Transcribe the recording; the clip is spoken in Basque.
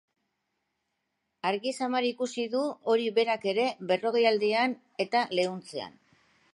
Argi samar ikusi du hori berak ere berrogeialdian eta leuntzean.